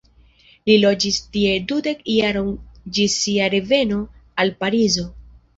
Li loĝis tie dudek jarojn ĝis sia reveno al Parizo.